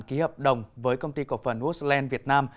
ký hợp đồng với công ty cổ phần woodland việt nam